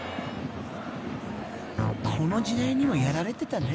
［この時代にもやられてたね］